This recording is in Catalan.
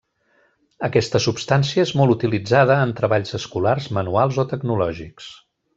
Aquesta substància és molt utilitzada en treballs escolars manuals o tecnològics.